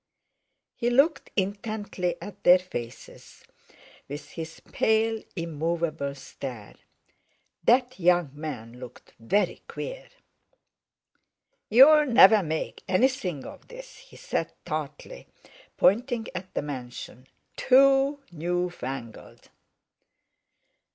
He looked intently at their faces, with his pale, immovable stare. That young man looked very queer! "You'll never make anything of this!" he said tartly, pointing at the mansion;—"too newfangled!"